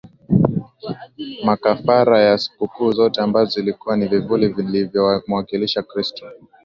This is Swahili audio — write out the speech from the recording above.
makafara na sikukuu zote ambazo zilikuwa ni vivuli vinavyomwakilisha Kristo